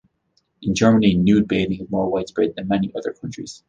In Germany nude bathing is more widespread than many other countries.